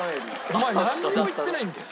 お前なんにも言ってないんだよ。